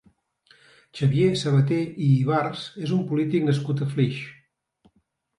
Xavier Sabaté i Ibarz és un polític nascut a Flix.